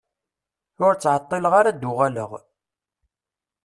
Ur ttɛeṭṭileɣ ara ad d-uɣaleɣ.